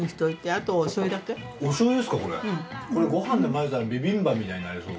これご飯に混ぜたらビビンバみたいになりそう。